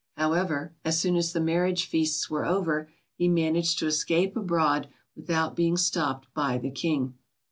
However, as soon as the marriage feasts were over, he managed to escape abroad without being stopped by the King.